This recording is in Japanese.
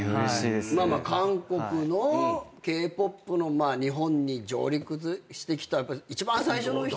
韓国のＫ−ＰＯＰの日本に上陸してきた一番最初の人。